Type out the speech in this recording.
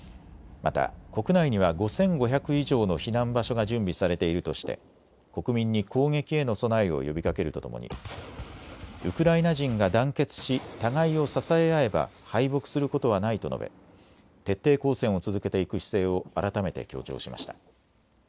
また国内には５５００以上の避難場所が準備されているとして国民に攻撃への備えを呼びかけるとともにウクライナ人が団結し互いを支え合えば敗北することはないと述べ徹底抗戦を続けていく姿勢を改めて強調しました。